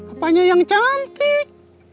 apanya yang cantik